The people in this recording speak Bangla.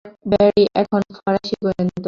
ব্যারি এখন ফরাসি গোয়েন্দা দলে।